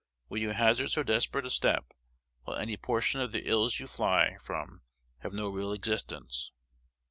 Will you hazard so desperate a step, while any portion of the ills you fly from have no real existence?